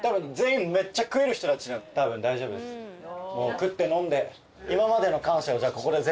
食って飲んで。